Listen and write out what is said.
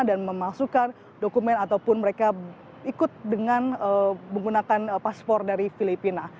dan memasukkan dokumen ataupun mereka ikut dengan menggunakan paspor dari filipina